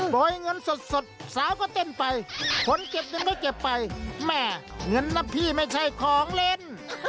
โดยเงินสดสาวก็เต้นไปคนเก็บเงินก็เก็บไปแม่เงินนะพี่ไม่ใช่ของเล่น